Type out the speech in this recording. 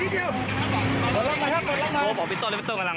เข้าหน้าทีนี้ไหม